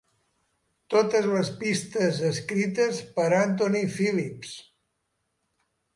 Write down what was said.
Totes les pistes escrites per Anthony Phillips.